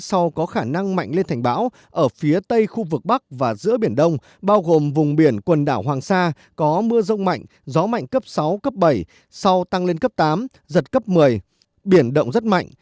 sau có khả năng mạnh lên thành bão ở phía tây khu vực bắc và giữa biển đông bao gồm vùng biển quần đảo hoàng sa có mưa rông mạnh gió mạnh cấp sáu cấp bảy sau tăng lên cấp tám giật cấp một mươi biển động rất mạnh